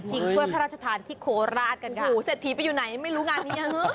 ชิงถุ้ยพระราชทานที่โคราชกันค่ะโอ้โหเสร็จถีไปอยู่ไหนไม่รู้งานนี้ยัง